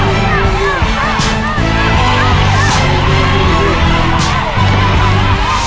ตอนนี้จะตามเทียให้อยู่ด้วย